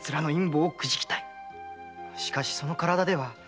しかしその体では。